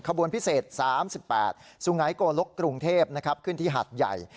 ขบวนพิเศษ๓๘สูงไหนโกลกกรุงเทพนะครับขึ้นที่หัดใหญ่